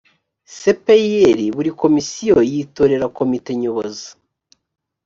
c p r buri komisiyo yitorera komite nyobozi